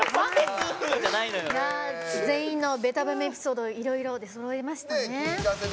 全員のベタ褒めエピソードいろいろ出そろいましたね。